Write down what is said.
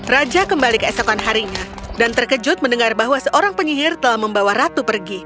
raja kembali keesokan harinya dan terkejut mendengar bahwa seorang penyihir telah membawa ratu pergi